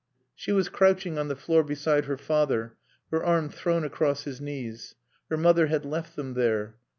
She was crouching on the floor beside her father, her arm thrown across his knees. Her mother had left them there.